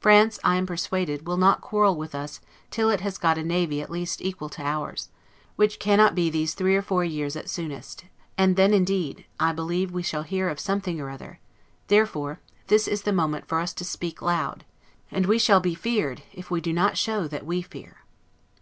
France, I am persuaded, will not quarrel with us till it has got a navy at least equal to ours, which cannot be these three or four years at soonest; and then, indeed, I believe we shall hear of something or other; therefore, this is the moment for us to speak loud; and we shall be feared, if we do not show that we fear.